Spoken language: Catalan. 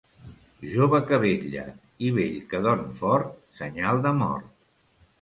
Jove que vetlla i vell que dorm fort, senyal de mort.